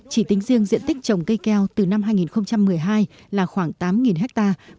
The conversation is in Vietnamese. chỉ tính riêng diện tích trồng cây keo từ năm hai nghìn một mươi hai là khoảng tám hectare